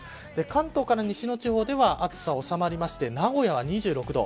関東から西の地方では暑さ収まりまして名古屋は２６度。